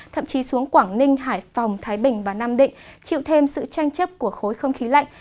thậm chí xuống quảng ninh hải phòng thái bình và nam định chịu thêm sự tranh chấp của khối không khí lạnh